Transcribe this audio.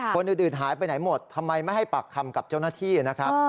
คนอื่นหายไปไหนหมดทำไมไม่ให้ปากคำกับเจ้าหน้าที่นะครับ